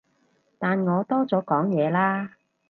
但我多咗講嘢啦